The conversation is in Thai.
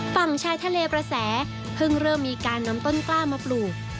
ฝั่งชายทะเลประแสเพิ่งเริ่มมีการนำต้นกล้ามาปลูก